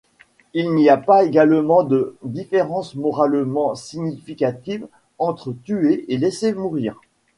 Il n'y a également pas de différence moralement significative entre tuer et laisser mourir.